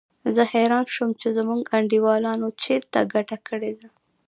زه حیران شوم چې زموږ انډیوالانو چېرته ګټه کړې ده.